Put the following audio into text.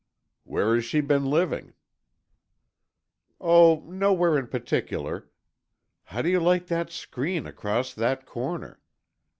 "Where has she been living?" "Oh, nowhere in particular. How do you like that screen across that corner?